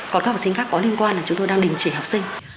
còn các học sinh khác có liên quan là chúng tôi đang đình chỉ học sinh